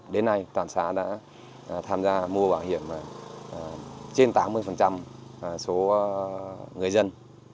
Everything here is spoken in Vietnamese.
đến nay toàn xã đã tham gia mua bảo hiểm trên tám mươi số người dân